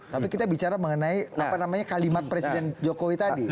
tapi kita bicara mengenai kalimat presiden jokowi tadi